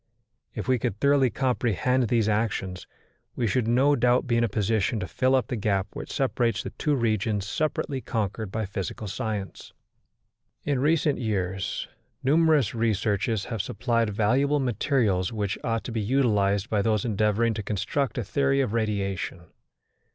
If we could thoroughly comprehend these actions, we should no doubt be in a position to fill up the gap which separates the two regions separately conquered by physical science. In recent years numerous researches have supplied valuable materials which ought to be utilized by those endeavouring to construct a theory of radiation.